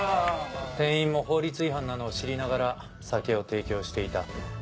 店員も法律違反なのを知りながら酒を提供していた。